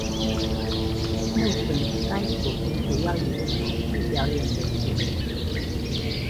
目前该组合主要以舞台剧表演为主。